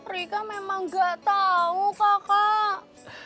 rika memang gak tahu kakak